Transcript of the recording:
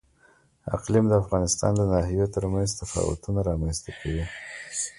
اقلیم د افغانستان د ناحیو ترمنځ تفاوتونه رامنځ ته کوي.